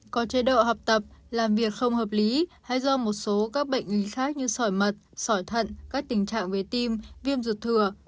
có chế độ học tập làm việc không hợp lý hay do một số các bệnh lý khác như sỏi mật sỏi thận các tình trạng về tim viêm ruột thừa